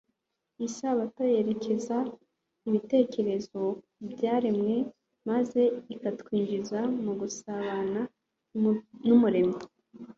Isabato yerekeza ibitekerezo ku byaremwe maze ikatwinjiza mu gusabana n’Umuremyi.